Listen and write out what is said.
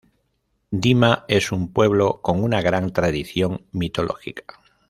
Dima es un pueblo con una gran tradición mitológica.